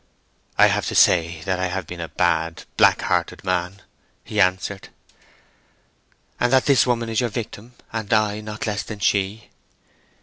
"I have to say that I have been a bad, black hearted man," he answered. "And that this woman is your victim; and I not less than she."